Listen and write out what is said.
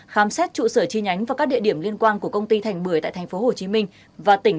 khám xét trụ sở chi nhánh và các địa điểm liên quan của công ty thành bưởi tại tp hcm và tỉnh lâm đồng để làm rõ vi phạm